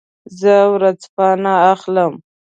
زه ورځپاڼه اخلم.